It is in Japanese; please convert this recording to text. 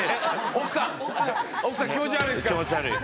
奥さん奥さん気持ち悪いですか？